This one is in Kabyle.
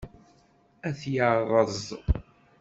Ad yerreẓ.